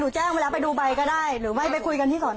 หนูแจ้งไว้แล้วไปดูใบก็ได้หรือไว้ไปคุยกันที่ขอร้อนออก